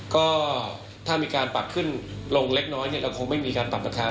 ก็ถ้ามีการปรับขึ้นลงเล็กน้อยเราคงไม่มีการปรับราคา